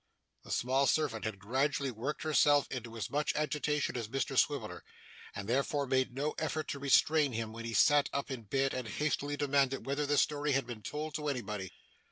The small servant had gradually worked herself into as much agitation as Mr Swiveller, and therefore made no effort to restrain him when he sat up in bed and hastily demanded whether this story had been told to anybody.